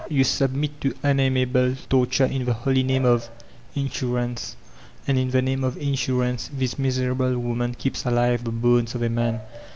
You submit to unnamable torture in the holy name of — Insurance 1 And in the name of Insurance this miserable woman keeps alive the bones of a man!